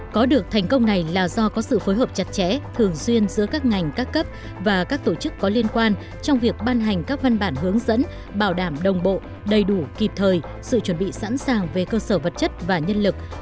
có được thành công này là do có sự phối hợp chặt chẽ thường xuyên giữa các ngành các cấp và các tổ chức có liên quan trong việc ban hành các văn bản hướng dẫn bảo đảm đồng bộ đầy đủ kịp thời sự chuẩn bị sẵn sàng về cơ sở vật chất và nhân lực